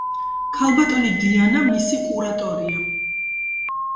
ქალბატონი დაიანა მისი კურატორია.